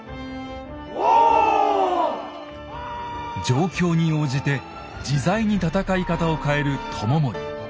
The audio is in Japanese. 状況に応じて自在に戦い方を変える知盛。